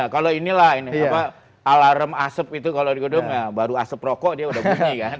kalau inilah ini apa alarm asep itu kalau di gedung ya baru asep rokok dia udah bunyi kan